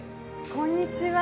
こんにちは。